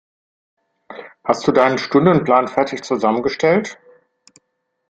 Hast du deinen Stundenplan fertig zusammengestellt?